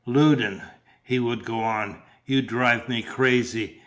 Loudon," he would go on, "you drive me crazy.